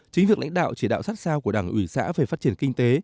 chính việc lãnh đạo chỉ đạo sát sao của đảng ủy xã về phát triển kinh tế